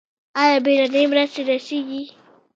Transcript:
آیا بیړنۍ مرستې رسیږي؟